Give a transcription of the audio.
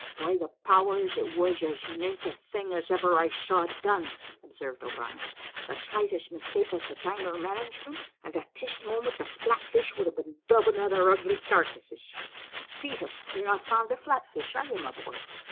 "By the powers, it was as nate a thing as ever I saw done," observed O'Brien; "the slightest mistake as to time or management, and at this moment the flatfish would have been dubbing at our ugly carcasses. Peter, you're not fond of flatfish, are you, my boy?